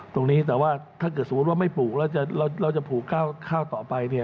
ตรงนี้แต่ว่าถ้าเกิดสมมุติว่าไม่ปลูกแล้วเราจะปลูกข้าวต่อไปเนี่ย